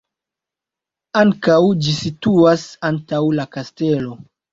Ankaŭ ĝi situas antaŭ la kastelo.